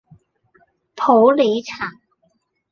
普洱茶